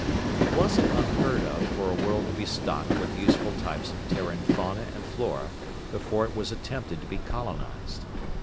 It wasn't unheard of for a world to be stocked with useful types of Terran fauna and flora before it was attempted to be colonized.